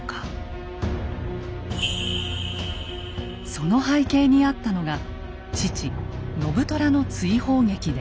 その背景にあったのが父・信虎の追放劇です。